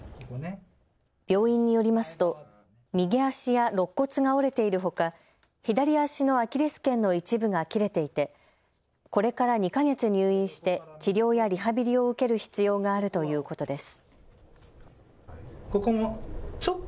病院によりますと右足やろっ骨が折れているほか左足のアキレスけんの一部が切れていて、これから２か月入院して治療やリハビリを受ける必要があるということです。